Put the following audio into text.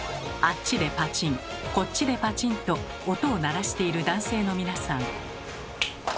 あっちでパチンこっちでパチンと音を鳴らしている男性の皆さん。